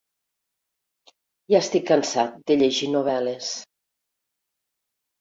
Ja estic cansat de llegir novel·les.